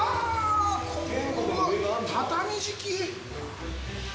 畳敷き！